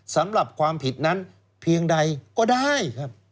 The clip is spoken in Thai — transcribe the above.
สำหรับความผิดนั้นเพียงใดก็ได้ครับ